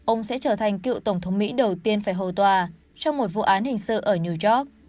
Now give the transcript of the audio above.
ông sẽ trở thành cựu tổng thống mỹ đầu tiên phải hầu tòa trong một vụ án hình sự ở new york